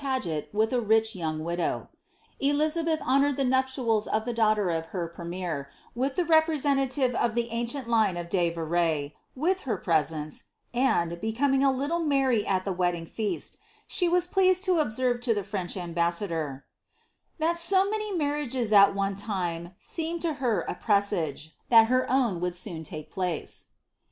et with a rich young widow. Elizabeth honoured the nuptials of liie daughter of her premier, with the representative of the ancient line of de Vere, with her presence, and, becoming a litde merrj' at the wed ding feast, she was pleased to observe to the French ambassador, ^^ that to many marriages at one time seemed to her a presage^ that her own would soon take place."